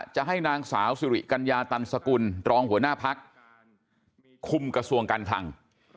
จะให้นางสาวสิริกัญญาตันสกุลรองหัวหน้าพักคุมกระทรวงการคลัง